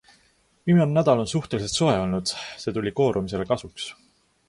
Viimane nädal on suhteliselt soe olnud, see tuli koorumisele kasuks.